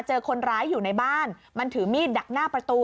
เจอคนร้ายอยู่ในบ้านมันถือมีดดักหน้าประตู